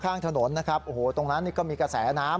ข้างถนนนะครับโอ้โหตรงนั้นนี่ก็มีกระแสน้ำ